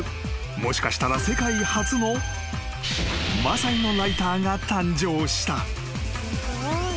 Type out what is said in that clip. もしかしたら世界初のマサイのライターが誕生した］